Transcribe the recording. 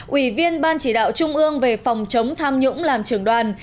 ủy viên ban chỉ đạo trung ương về phòng chống tham nhũng làm trưởng đoàn